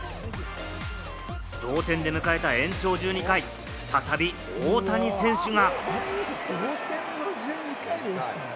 同点で迎えた延長１２回、再び大谷選手が。